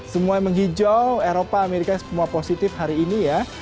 semua yang menghijau eropa amerika semua positif hari ini ya